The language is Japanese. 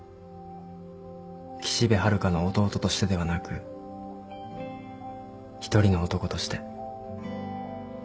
岸辺春香の弟としてではなく一人の男として。